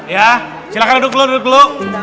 ya silahkan duduk dulu duduk dulu